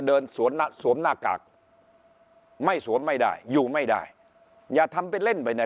เดินสวมหน้ากากไม่สวมไม่ได้อยู่ไม่ได้อย่าทำไปเล่นไปนะ